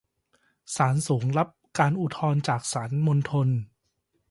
ศาลสูงรับการอุทธรณ์จากศาลมณฑล